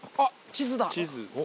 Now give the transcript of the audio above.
地図だ！